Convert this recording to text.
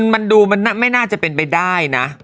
มันดูมันไม่น่าจะเป็นไปได้นะ